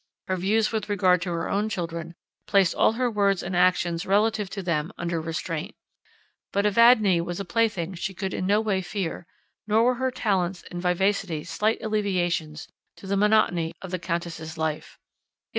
Her views with regard to her own children, placed all her words and actions relative to them under restraint: but Evadne was a plaything she could in no way fear; nor were her talents and vivacity slight alleviations to the monotony of the Countess's life.